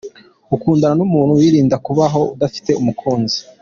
Ukundana n’umuntu wirinda kubaho udafite umukunzi.